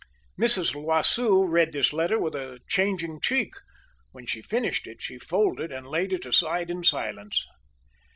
Mrs. L'Oiseau read this letter with a changing cheek when she finished it she folded and laid it aside in silence.